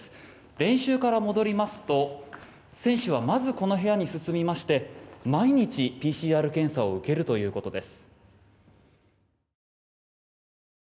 練習から戻りますと、選手はまずこの部屋に進みまして毎日、ＰＣＲ検査を受けるということです。